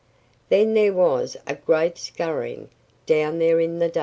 Then there was a great scurrying down there in the dark.